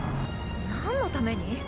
何のために？